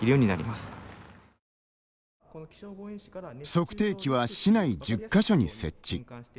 測定器は、市内１０か所に設置。